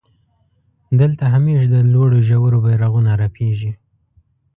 دلته همېش د لوړو ژورو بيرغونه رپېږي.